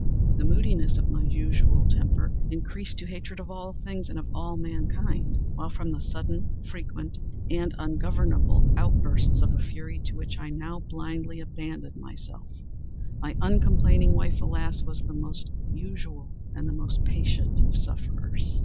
The moodiness of my usual temper increased to hatred of all things and of all mankind; while, from the sudden, frequent, and ungovernable outbursts of a fury to which I now blindly abandoned myself, my uncomplaining wife, alas, was the most usual and the most patient of sufferers.